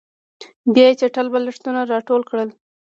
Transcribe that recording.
بیا یې چټل بالښتونه راټول کړل